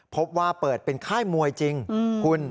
พบว่าเปิดเป็นค่ายมวยจริงคุณ